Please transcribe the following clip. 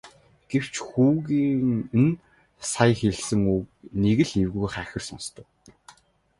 Гэвч хүүгийн нь сая хэлсэн үг нэг л эвгүй хахир сонстов.